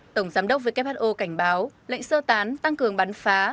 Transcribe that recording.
tổng giám đốc who cảnh báo lệnh sơ tán tăng cường bắn phá